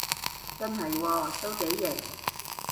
真係喎，都幾型